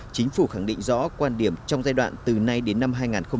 chính phủ khẳng định rõ quan điểm trong giai đoạn từ nay đến năm hai nghìn hai mươi